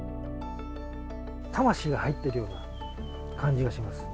魂が入ってるような感じがします。